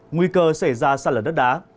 nguy cơ xảy ra sẵn lần đất đá